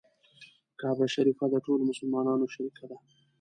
کعبه شریفه د ټولو مسلمانانو شریکه ده.